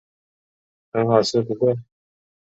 很好吃不贵